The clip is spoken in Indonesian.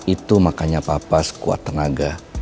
itu makanya papa sekuat tenaga